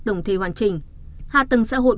tổng thể hoàn trình hạ tầng xã hội